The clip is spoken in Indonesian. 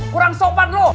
kurang sopan lu